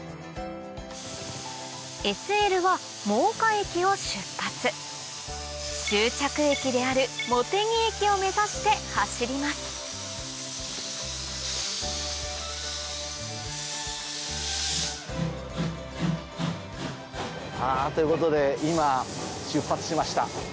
ＳＬは真岡駅を出発終着駅である茂木駅を目指して走りますということで今出発しました。